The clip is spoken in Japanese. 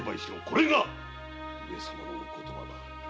これが上様のお言葉だ。